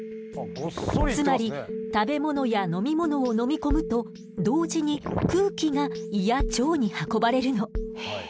つまり食べ物や飲み物を飲み込むと同時に空気が胃や腸に運ばれるの。